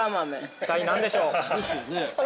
◆一体、何でしょう？